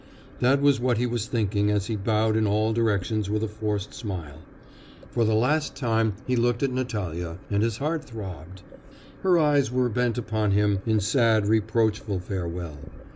That was what he was thinking as he bowed in all directions with a forced smile. For the last time he looked at Natalya, and his heart throbbed; her eyes were bent upon him in sad, reproachful farewell.